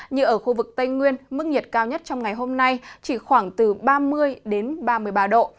như ở khu vực tây nguyên mức nhiệt cao nhất trong ngày hôm nay chỉ khoảng từ ba mươi đến ba mươi ba độ